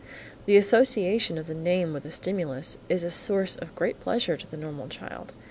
The association of the name with the stimulus is a source of great pleasure to the normal child.